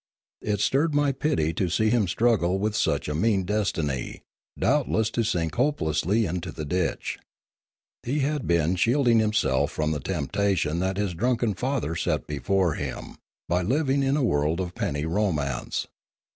It stirred my pity to see him struggle with such a mean destiny, doubtless to sink hopelessly into the ditch. He had been shield ing himself from the temptation that his drunken father set before him by living in a world of penny romance.